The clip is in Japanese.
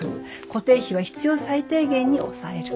固定費は必要最低限に抑える。